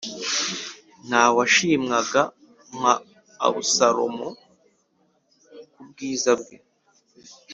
ntawashimwaga nka Abusalomu ku bw’ubwiza bwe